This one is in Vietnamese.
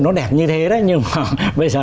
nó đẹp như thế đấy nhưng mà bây giờ